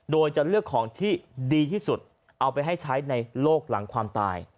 โดยจะเลือกของที่ดีที่สุดเอาไปให้ใช้ในโลกหลังความตาย